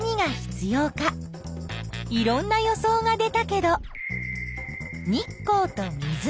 いろんな予想が出たけど日光と水